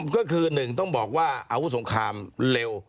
ก็คือ๑ต้องบอกว่าอาวุธสงครามเร็ว